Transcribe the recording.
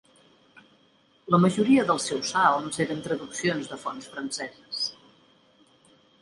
La majoria dels seus salms eren traduccions de fonts franceses.